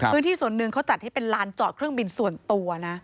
พื้นที่ส่วนหนึ่งเขาจัดให้เป็นลานจอดเครื่องบินส่วนตัวนะ